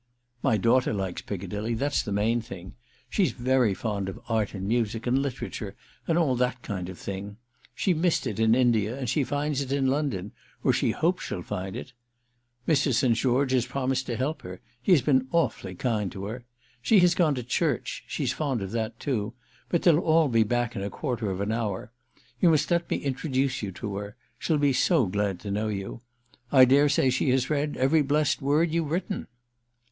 "My daughter likes Piccadilly—that's the main thing. She's very fond of art and music and literature and all that kind of thing. She missed it in India and she finds it in London, or she hopes she'll find it. Mr. St. George has promised to help her—he has been awfully kind to her. She has gone to church—she's fond of that too—but they'll all be back in a quarter of an hour. You must let me introduce you to her—she'll be so glad to know you. I dare say she has read every blest word you've written."